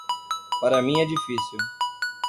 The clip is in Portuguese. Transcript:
Para mim é difícil.